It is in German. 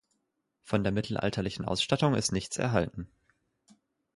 Von der mittelalterlichen Ausstattung ist nichts erhalten.